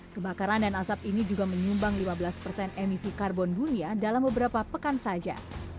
kebakaran dan asap ini juga menyumbang lima belas persen emisi karbon dunia dalam beberapa pekan saja